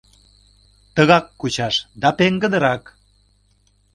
— Тыгак кучаш, да пеҥгыдынрак!